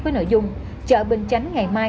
với nội dung chợ bình chánh ngày mai